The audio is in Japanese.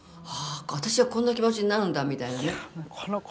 ああ私はこんな気持ちになるんだみたいなね。